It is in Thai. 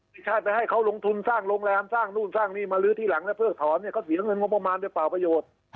ชาติไปให้เขาลงทุนสร้างโรงแรมสร้างนู่นสร้างนี่มาลื้อที่หลังและเพิกถอนเนี่ยเขาเสียเงินงบประมาณด้วยเปล่าประโยชน์